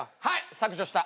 削除した。